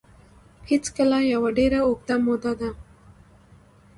هېڅکله یوه ډېره اوږده موده ده